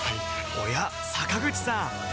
おや坂口さん